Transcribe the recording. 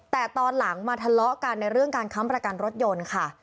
แต่ตอนหลังมาทะเลาะกันในเรื่องการค้ำประกันรถยนต์ค่ะ